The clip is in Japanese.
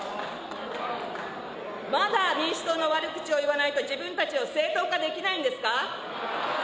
まだ民主党の悪口を言わないと自分たちを正当化できないんですか。